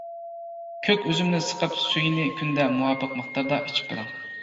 كۆك ئۈزۈمنى سىقىپ، سۈيىنى كۈندە مۇۋاپىق مىقداردا ئىچىپ بېرىڭ.